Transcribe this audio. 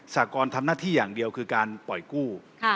สากรทำหน้าที่อย่างเดียวคือการปล่อยกู้